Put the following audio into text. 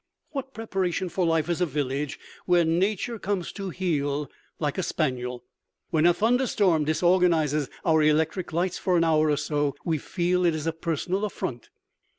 What preparation for life is a village where Nature comes to heel like a spaniel? When a thunderstorm disorganizes our electric lights for an hour or so we feel it a personal affront.